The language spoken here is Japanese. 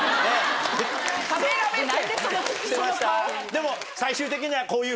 でも。